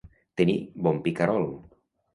Tenir bon picarol.